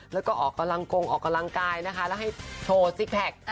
แล้วก็ออกกำลังกงออกกำลังกายนะคะแล้วให้โชว์ซิกแพค